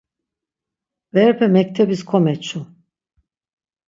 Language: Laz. Berepe mektebis komeçu.